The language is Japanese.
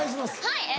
はい。